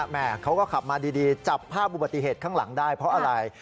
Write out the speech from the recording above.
แม่เขาก็ขับมาดีจับภาพอุบัติเหตุข้างหลังได้เพราะอะไร